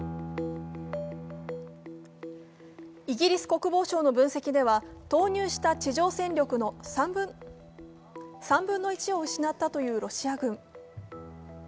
イギリス国防省の分析では投入した地上戦力の３分の１を失ったというロシア軍。